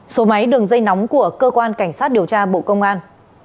số máy đường dây nóng của cơ quan cảnh sát điều tra bộ công an sáu mươi chín nghìn hai trăm ba mươi bốn